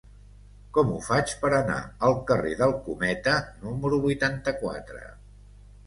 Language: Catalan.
Com ho faig per anar al carrer del Cometa número vuitanta-quatre?